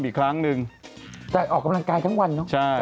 พี่เลยมาทำนะ